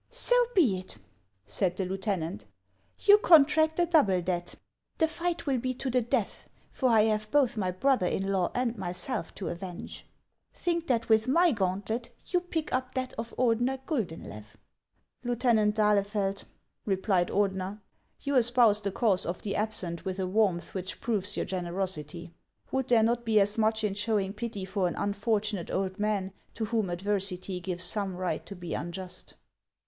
" So be it," said the lieutenant ;" you contract a double debt. The fight will be to the death, for I have both, my brother in law and myself to avenge. Think that with my gauntlet you pick up that of Ordener Guldenlew." " Lieutenant d'Ahlefeld," replied Ordener, " you espouse the cause of the absent with a, warmth which proves your generosity. Would there not be as much in showing pity for an unfortunate old man to whom adversity gives some right to be unjust